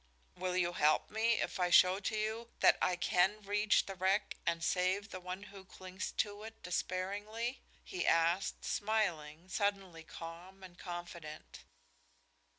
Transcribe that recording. "Will you help me if I show to you that I can reach the wreck and save the one who clings to it despairingly?" he asked, smiling, suddenly calm and confident.